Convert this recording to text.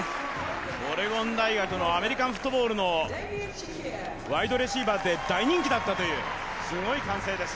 オレゴン大学のアメリカンフットボールのワイドレシーバーで大人気だったという、すごい歓声です。